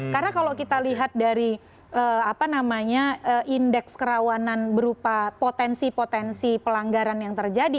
karena kalau kita lihat dari apa namanya indeks kerawanan berupa potensi potensi pelanggaran yang terjadi